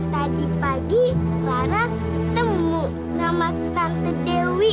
tadi pagi lara ketemu sama tante dewi